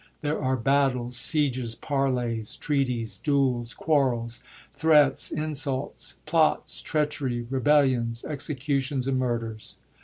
There are battles, sieges, parleys, treaties ; duels, quarrels, threats, insults ; plots, treachery, rebellions, executions and murders.